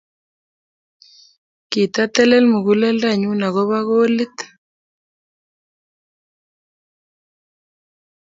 Kitatelel muguleldonyu akobo choleet.